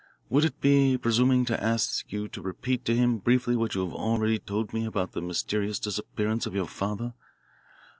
"Would it be presuming to ask you to repeat to him briefly what you have already told me about the mysterious disappearance of your father?